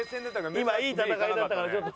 今いい戦いだったからちょっと。